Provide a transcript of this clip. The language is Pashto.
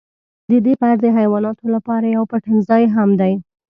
ددې غر د حیواناتو لپاره یو پټنځای هم دی.